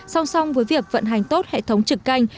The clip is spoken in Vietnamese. song song với việc vận hành tốt hệ thống trực canh